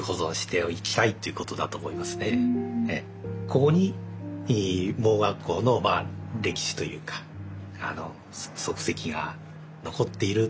ここに盲学校の歴史というか足跡が残っている。